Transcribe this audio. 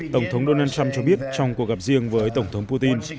tổng thống donald trump cho biết trong cuộc gặp riêng với tổng thống putin